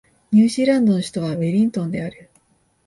ニュージーランドの首都はウェリントンである